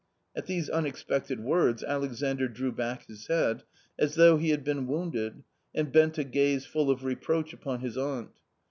" At these unexpected words Alexandr drew back his head, as though he had been wounded, and bent a gaze full of reproach upon his aunt.